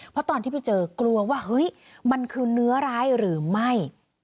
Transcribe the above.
เพราะตอนที่ไปเจอกลัวว่าเฮ้ยมันคือเนื้อร้ายหรือไม่